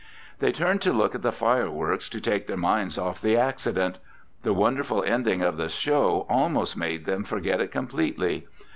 They turned to look at the fireworks to take their minds off the accident. The wonderful ending of the show almost made them forget it completely.